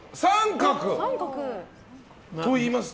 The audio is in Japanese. といいますと？